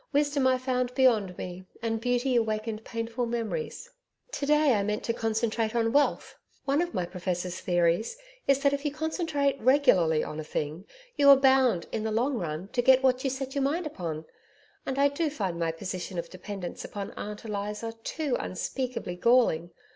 Wisdom I found beyond me, and Beauty awakened painful memories. To day I mean to concentrate on wealth one of my Professor's theories is that if you concentrate regularly on a thing you are bound in the long run to get what you set your mind upon, and I do find my position of dependence upon Aunt Eliza too unspeakably galling.